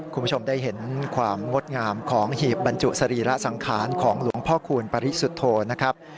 คุณผู้ชมได้เห็นความงดงามของหีบบรรจุสรีระสังขารของหลวงพ่อคูณปริสุทธโธนะครับ